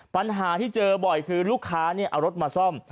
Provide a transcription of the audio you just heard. ปัญหาที่เจอบ่อยคือลูกค้าเอารถมาซ่อม